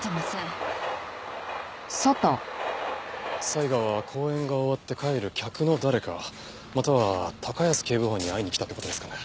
才賀は公演が終わって帰る客の誰かまたは高安警部補に会いに来たって事ですかね？